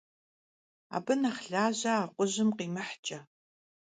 Abı nexh laje akhujım khimıhç'e.